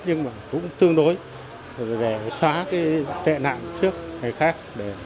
nhưng mà cũng tương đối để xóa cái tệ nạn trước người khác